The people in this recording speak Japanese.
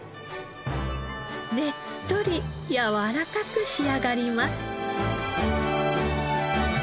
ねっとりやわらかく仕上がります。